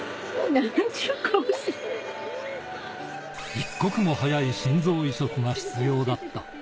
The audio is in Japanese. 一刻も早い心臓移植が必要だった。